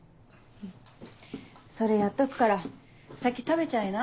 それやっとくから先食べちゃいな。